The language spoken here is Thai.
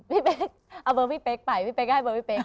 พี่เป๊กเอาเบอร์พี่เป๊กไปพี่เป๊กก็ให้เบอร์พี่เป๊ก